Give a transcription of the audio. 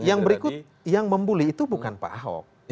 yang berikut yang mem bully itu bukan pak ahok